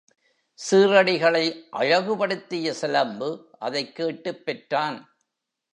சீறடிகளை அழகுபடுத்திய சிலம்பு அதைக்கேட்டுப் பெற்றான்.